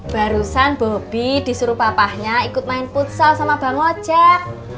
barusan bobi disuruh papanya ikut main futsal sama bang ocek